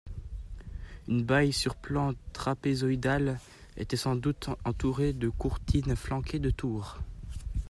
Une baille sur plan trapézoïdal était sans doute entourée de courtines flanquées de tours.